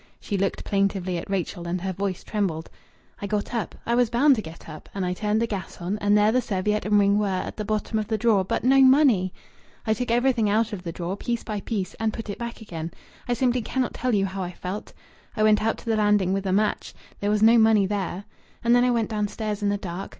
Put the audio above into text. She looked plaintively at Rachel, and her voice trembled. "I got up. I was bound to get up, and I turned the gas on, and there the serviette and ring were at the bottom of the drawer, but no money! I took everything out of the drawer, piece by piece, and put it back again. I simply cannot tell you how I felt! I went out to the landing with a match. There was no money there. And then I went downstairs in the dark.